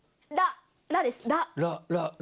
「ラ」！